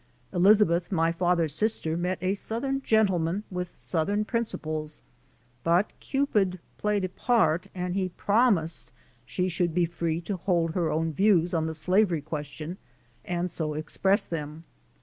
Elizabeth, my father's sister, met a southern gentleman with southern prin ciples, but Cupid played a part and he promised she should be free to hold her own views on the slavery question and so express them.